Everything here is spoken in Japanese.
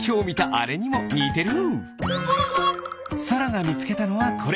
さらがみつけたのはこれ。